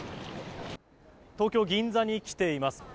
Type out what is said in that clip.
東京・銀座に来ています。